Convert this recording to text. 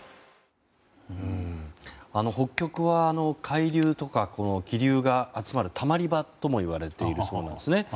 北極は海流とか気流が集まる、たまり場とも呼ばれているそうなんですね。